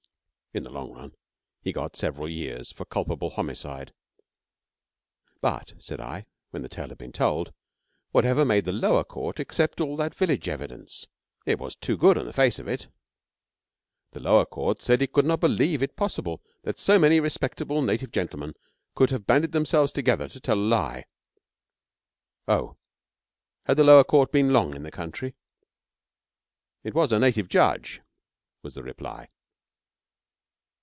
In the long run, he got several years for culpable homicide. 'But,' said I, when the tale had been told, 'whatever made the lower court accept all that village evidence? It was too good on the face of it,' 'The lower court said it could not believe it possible that so many respectable native gentle could have banded themselves together to tell a lie.' 'Oh! Had the lower court been long in the country?' 'It was a native judge,' was the reply.